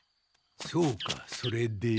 そうかそれで？